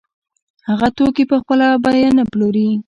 هغه توکي په خپله بیه نه پلوري